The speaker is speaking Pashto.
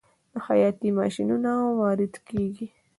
د خیاطۍ ماشینونه وارد کیږي؟